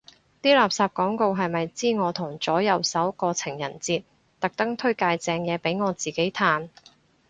啲垃圾廣告係咪知我同左右手過情人節，特登推介正嘢俾我自己嘆